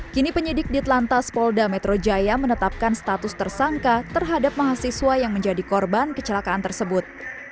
kini penyidik di telantas polda metro jaya menetapkan status tersangka terhadap mahasiswa yang menjadi korban kecelakaan tersebut